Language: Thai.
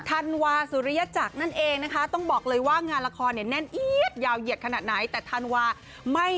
ธันวาสุริยจักรนั่นเองนะคะต้องบอกเลยว่างานละครเนี่ยแน่นเอี๊ยดยาวเหยียดขนาดไหนแต่ธันวาไม่